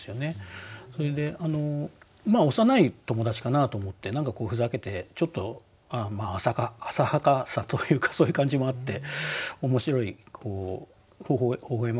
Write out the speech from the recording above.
それで幼い友達かなと思って何かふざけてちょっと浅はかさというかそういう感じもあって面白いほほ笑ましい句だなと思いました。